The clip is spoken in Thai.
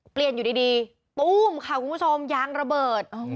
เปลี่ยนอยู่ดีปุ้มค่ะคุณผู้ชมยางระเบิด